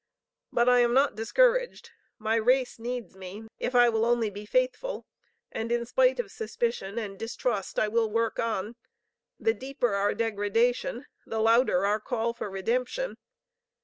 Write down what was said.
But I am not discouraged, my race needs me, if I will only be faithful, and in spite of suspicion and distrust, I will work on; the deeper our degradation, the louder our call for redemption.